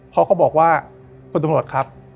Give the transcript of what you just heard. เขาก็บอกว่าคุณตำรวจครับ